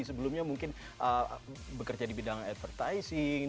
sebelumnya mungkin bekerja di bidang advertising